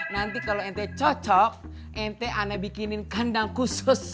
nanti kalau ente cocok ente anda bikinin kandang khusus